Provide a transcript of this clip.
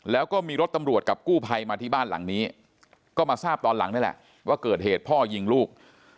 แล้วก็มีรถตำรวจกับกู้ภัยมาที่บ้านหลังนี้ก็มาทราบตอนหลังนี่แหละว่าเกิดเหตุพ่อยิงลูก